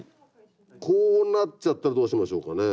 こうなっちゃったらどうしましょうかねぇ。